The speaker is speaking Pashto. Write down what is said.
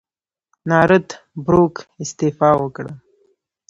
نارت بروک استعفی وکړه.